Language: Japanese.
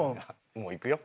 もういくよ？